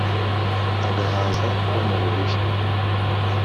Agahaza ko mu rubibi.